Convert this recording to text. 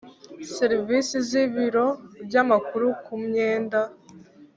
Serivisi z ibiro by amakuru ku myenda